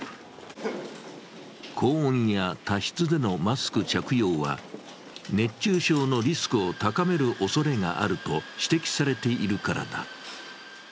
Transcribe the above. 高温や多湿でのマスク着用は熱中症のリスクを高めるおそれがあると指摘されているからだ。